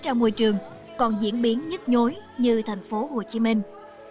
ra môi trường còn diễn biến nhức nhối như thành phố hồ chí minh